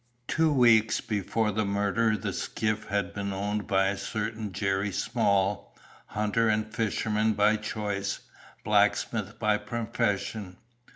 Two weeks before the murder the skiff had been owned by a certain Jerry Small, hunter and fisherman by choice, blacksmith by profession.